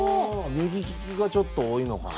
右利きがちょっと多いのかな？